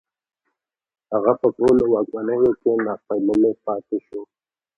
هغه په ټولو واکمنیو کې ناپېیلی پاتې شو